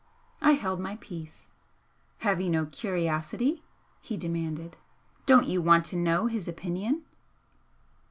I held my peace. "Have you no curiosity?" he demanded "Don't you want to know his opinion?"